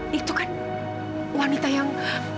itu kan wanita yang